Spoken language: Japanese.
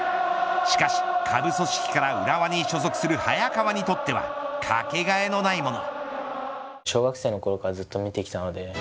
しかし、下部組織から浦和に所属する早川にとってはかけがえのないもの。